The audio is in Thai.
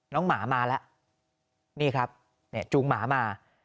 น้องหมามาแล้วนี่ครับจูงหมามา